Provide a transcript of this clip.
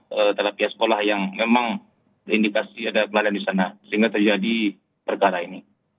terhadap pihak sekolah yang memang indikasi ada kelalaian di sana sehingga terjadi perkara ini